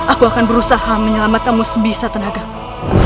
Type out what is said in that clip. aku akan berusaha menyelamatkanmu sebisa tenagamu